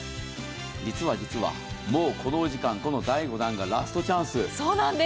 実は実は、もうこのお時間、第５弾がラストチャンス。